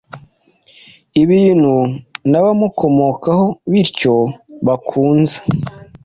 Ibintu nabamukomokahobityo bakunze